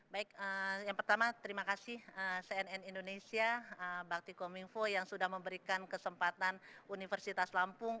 baik yang pertama terima kasih cnn indonesia bakti kominfo yang sudah memberikan kesempatan universitas lampung